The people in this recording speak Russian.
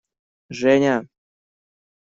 Женя!